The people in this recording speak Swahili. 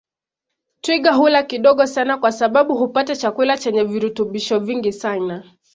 Twiga hula kidogo sana kwa sababu hupata chakula chenye virutubisho vingi sana